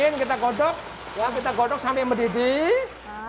ini masih dingin kita godok sampai mendidih